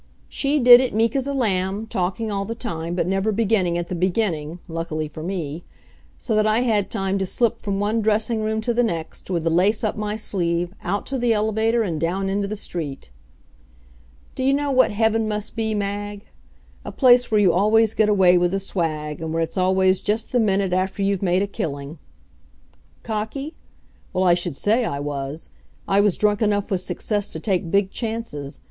She did it meek as a lamb, talking all the time, but never beginning at the beginning luckily for me. So that I had time to slip from one dressing room to the next, with the lace up my sleeve, out to the elevator, and down into the street. D'ye know what heaven must be, Mag? A place where you always get away with the swag, and where it's always just the minute after you've made a killing. Cocky? Well, I should say I was. I was drunk enough with success to take big chances.